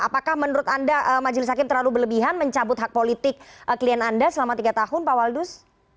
apakah menurut anda majelis hakim terlalu berlebihan mencabut hak politik klien anda selama tiga tahun pak waldus